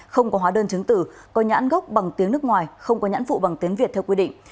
không có hóa đơn chứng tử có nhãn gốc bằng tiếng nước ngoài không có nhãn phụ bằng tiếng việt theo quy định